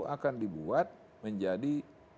akan dibuat menjadi